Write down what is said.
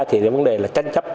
thì vấn đề là tranh chấp